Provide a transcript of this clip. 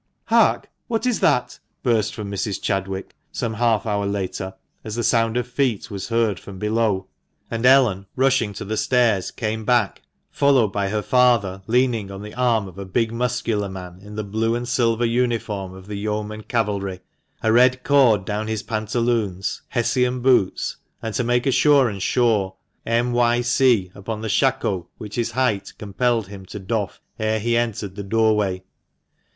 "Hark! what is that?" burst from Mrs. Chadwick, some half hour later, as the sound of feet was heard from below ; and Ellen, rushing to the stairs, came back followed by her father leaning on the arm of a big muscular man, in the blue and silver uniform of the yeomanry cavalry, a red cord down his pantaloons, hessian boots, and, to make assurance sure, M.Y.C. upon the shako which his height compelled him to doff ere he entered the doorway.